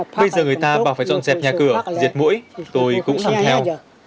bây giờ người ta bảo phải dọn dẹp nhà cửa diệt mũi tôi cũng làm theo